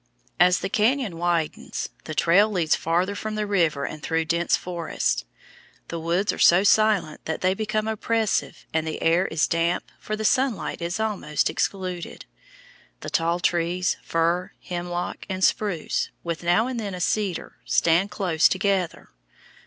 As the cañon widens, the trail leads farther from the river and through dense forests. The woods are so silent that they become oppressive, and the air is damp, for the sunlight is almost excluded. The tall trees, fir, hemlock, and spruce, with now and then a cedar, stand close together.